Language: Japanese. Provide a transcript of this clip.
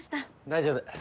大丈夫。